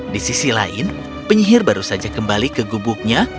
di sisi lain penyihir baru saja kembali ke gubuknya